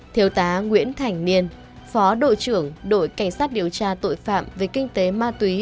thiếu tá nguyễn thành niên phó đội trưởng đội cảnh sát điều tra tội phạm về kinh tế ma túy